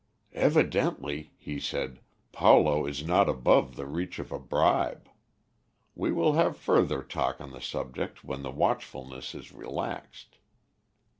"Evidently," he said, "Paulo is not above the reach of a bribe. We will have further talk on the subject when the watchfulness is relaxed."